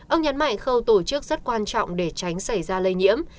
ông nhắn mại khâu tổ chức rất quan trọng để tránh xảy ra lây nhiễm